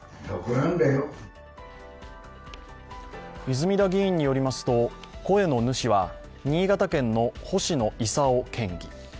泉田議員によりますと声の主は新潟県の星野伊佐夫県議。